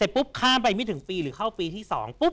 พอเข้าไปพี่ปีที่๒